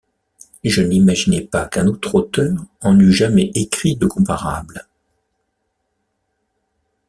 Je n’imaginais pas qu’un autre auteur en eût jamais écrit de comparables.